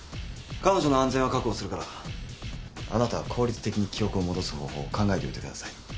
彼女の安全は確保するからあなたは効率的に記憶を戻す方法を考えておいてください。